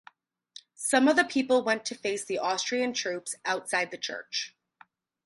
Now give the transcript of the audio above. Some of the people went to face the Austrian troops outside the church.